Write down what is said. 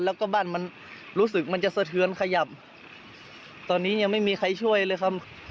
แล้วก็บ้านมันรู้สึกมันจะสะเทือนขยับตอนนี้ยังไม่มีใครช่วยเลยครับ